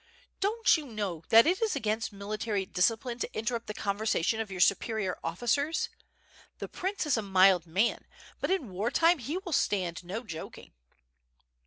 Don't you know that it is against military discipline to interrupt the conver sation of your superior officers? The prince is a mild man, but in war time he will stand no joking."